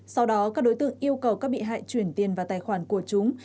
sau đó các đối tượng yêu cầu các bị hại chuyển tiền vào tài khoản của chúng